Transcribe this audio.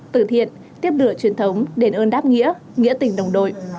tử thiện tiếp lửa truyền thống đền ơn đáp nghĩa nghĩa tình đồng đội